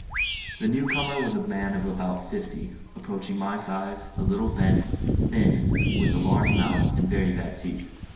The new comer was a man of about fifty, approaching my size, a little bent, thin, with a large mouth, and very bad teeth.